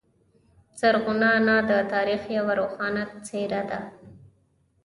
زرغونه انا د تاریخ یوه روښانه څیره ده.